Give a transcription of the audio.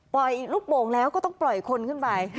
ลูกโป่งแล้วก็ต้องปล่อยคนขึ้นไป